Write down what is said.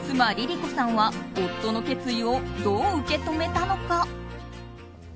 妻ＬｉＬｉＣｏさんは夫の決意をどう受け止めたのか。